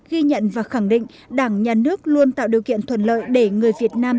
ghi nhận và khẳng định đảng nhà nước luôn tạo điều kiện thuận lợi để người việt nam